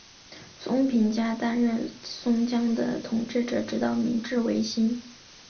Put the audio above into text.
松平家担任松江的统治者直到明治维新。